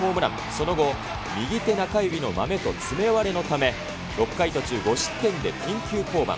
その後、右手中指のまめと爪割れのため、６回途中５失点で緊急降板。